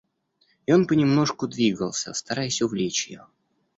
И он понемножку двигался, стараясь увлечь ее.